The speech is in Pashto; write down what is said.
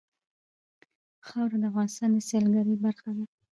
خاوره د افغانستان د سیلګرۍ برخه ده.